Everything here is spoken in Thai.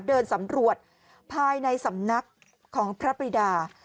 เดินสำรวจภายในสำนักของพระปริดา